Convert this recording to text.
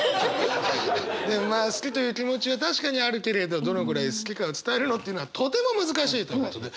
でもまあ好きという気持ちは確かにあるけれどどのくらい好きかを伝えるのっていうのはとても難しいということで。